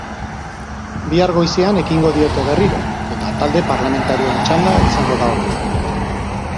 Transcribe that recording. Bihar goizean ekingo diote berriro, eta talde parlamentarioen txanda izango da orduan.